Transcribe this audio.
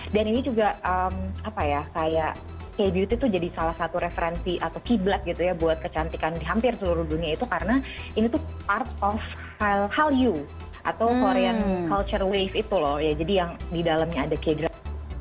dan ini juga apa ya kayak k beauty tuh jadi salah satu referensi atau kiblat gitu ya buat kecantikan di hampir seluruh dunia itu karena ini tuh part of hal you atau korean culture wave itu loh jadi yang di dalamnya ada kiblat